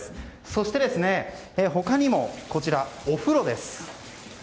そして他にも、こちらのお風呂。